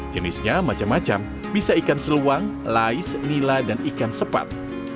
jenisnya macam macam bisa ikan seluang lais nila dan ikan sepat